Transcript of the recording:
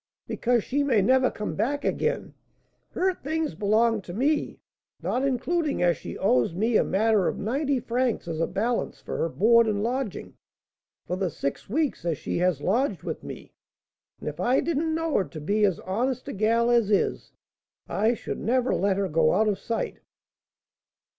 Because she may never come back again. Her things belong to me, not including as she owes me a matter of ninety francs as a balance for her board and lodging, for the six weeks as she has lodged with me; and if I didn't know her to be as honest a gal as is, I should never let her go out of sight."